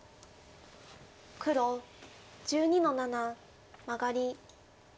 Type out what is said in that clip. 黒１２の七マガリ。